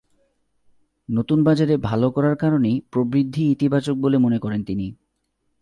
নতুন বাজারে ভালো করার কারণেই প্রবৃদ্ধি ইতিবাচক বলে মনে করেন তিনি।